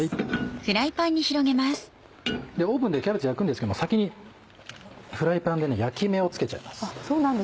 オーブンでキャベツ焼くんですけど先にフライパンでね焼き目をつけちゃいます。